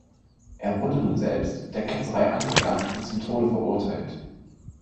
Er wurde nun selbst der Ketzerei angeklagt und zum Tode verurteilt.